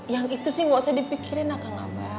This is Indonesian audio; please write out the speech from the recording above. yang itu sih gak usah dipikirin